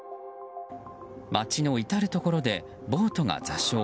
街の至るところでボートが座礁。